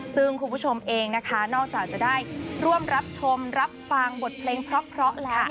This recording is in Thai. ซึ่งคุณผู้ชมเองนะคะนอกจากจะได้ร่วมรับชมรับฟังบทเพลงเพราะแล้ว